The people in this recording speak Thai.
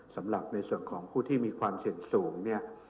สำหรับในส่วนของผู้ที่มีความเสี่ยงสูงเนี่ย